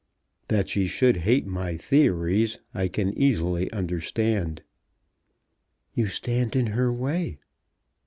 "That she should hate my theories I can easily understand." "You stand in her way."